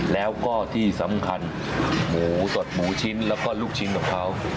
แล้วก็ที่สำคัญหมูสดหมูชิ้นแล้วก็ลูกชิ้นของเขา